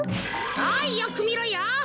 おいよくみろよ。